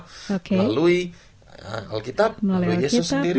melalui alkitab melalui yesus sendiri